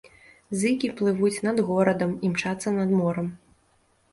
Зыкі плывуць над горадам, імчацца над морам.